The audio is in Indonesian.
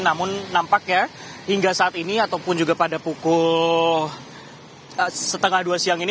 namun nampaknya hingga saat ini ataupun juga pada pukul setengah dua siang ini